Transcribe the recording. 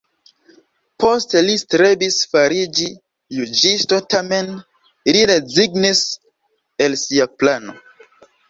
Poste li strebis fariĝi juĝisto tamen li rezignis el sia plano.